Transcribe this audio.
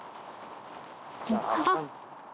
あっ！